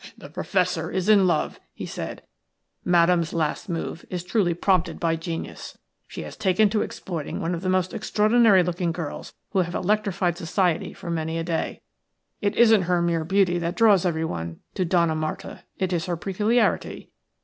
"The Professor is in love," he said. "Madame's last move is truly prompted by genius. She has taken to exploiting one of the most extraordinary looking girls who have electrified society for many a day. It isn't her mere beauty that draws everyone to Donna Marta; it is her peculiarity.